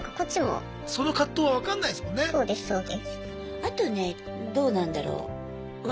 あとねどうなんだろう。笑